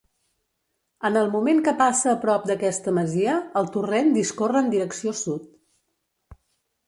En el moment que passa a prop d'aquesta masia, el torrent discorre en direcció sud.